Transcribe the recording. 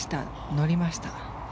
乗りました。